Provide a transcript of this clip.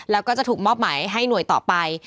แล้วก็จะถูกมอบหมายให้หน่วยต่อไป